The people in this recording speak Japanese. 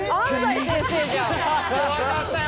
怖かったよ。